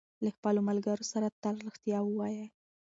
له خپلو ملګرو سره تل رښتیا ووایئ.